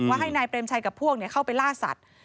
ให้นายเปรมชัยกับพวกเข้าไปล่าสัตว์